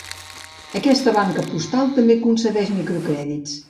Aquesta banca postal també concedeix microcrèdits.